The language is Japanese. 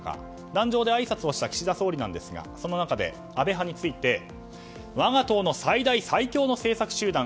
壇上であいさつをした岸田総理ですがその中で、安倍派について我が党の最大・最強の政策集団。